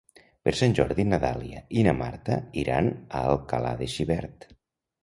Per Sant Jordi na Dàlia i na Marta iran a Alcalà de Xivert.